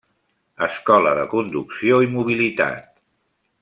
Escola de conducció i mobilitat.